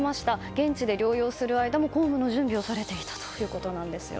現地で療養する間も公務の準備をされていたということです。